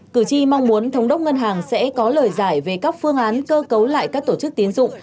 cử tri mong muốn thống đốc ngân hàng sẽ có lời giải về các phương án cơ cấu lại các tổ chức tiến dụng